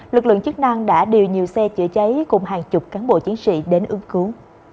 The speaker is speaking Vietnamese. lực lượng chức năng đã điều nhiều xe chữa cháy cùng hàng chục cán bộ chiến sĩ đến ưng cứu